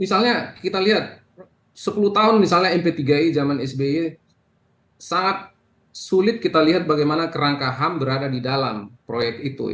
misalnya kita lihat sepuluh tahun misalnya mp tiga i zaman sby sangat sulit kita lihat bagaimana kerangka ham berada di dalam proyek itu